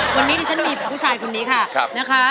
คนนี้ที่ฉันมีผู้ชายคนนี้ค่ะ